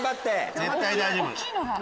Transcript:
絶対大丈夫。